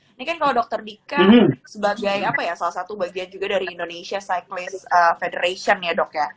ini kan kalau dokter dika sebagai salah satu bagian juga dari indonesia cyclist federation ya dok ya